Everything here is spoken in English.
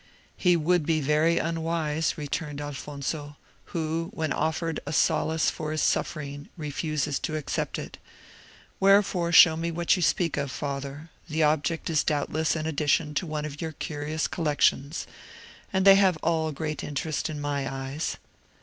"He would be very unwise," returned Alfonso, "who, when offered a solace for his suffering, refuses to accept it. Wherefore show me what you speak of, father; the object is doubtless an addition to one of your curious collections, and they have all great interest in my eyes."